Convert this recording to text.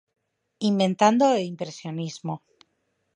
Inventando o Impresionismo.